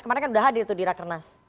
kemarin kan sudah hadir tuh di rakernas